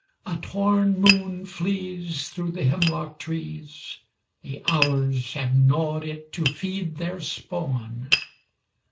A torn moon flees Through the hemlock trees, The hours have gnawed it to feed their spawn.